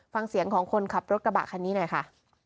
ฟังเสียงของคนขับรถกระบะคันนี้หน่อยค่ะ